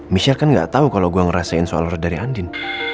michelle kan nggak tau kalo gue ngerasain soal roy dari andien